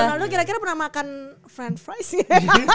cristiano ronaldo kira kira pernah makan french fries ya